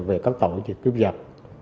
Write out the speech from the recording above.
về các tội kiếp cướp giật